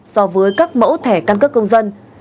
so với các mẫu thẻ căn cứ công dân